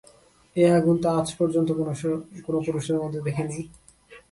এ আগুন তো আজ পর্যন্ত আমি কোনো পুরুষের মধ্যে দেখি নি।